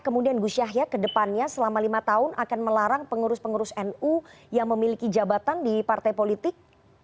kemudian gus yahya ke depannya selama lima tahun akan melarang pengurus pengurus nu yang memiliki jabatan di partai politik